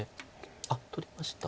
あっ取りました。